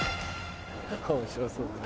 面白そうだな。